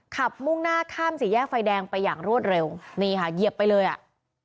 มุ่งหน้าข้ามสี่แยกไฟแดงไปอย่างรวดเร็วนี่ค่ะเหยียบไปเลยอ่ะ